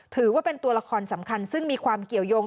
ถือว่าเป็นตัวละครสำคัญซึ่งมีความเกี่ยวยง